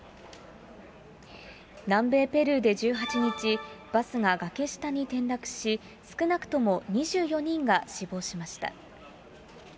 南米ペルーで１８日、バスが崖下に転落し、少なくとも２４人が死亡しました。